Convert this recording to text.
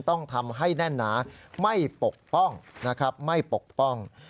ต้องทำให้แน่นหนาไม่ปกป้องนะครับไม่ปกป้อง